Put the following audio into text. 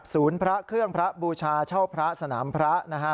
พระเครื่องพระบูชาเช่าพระสนามพระนะฮะ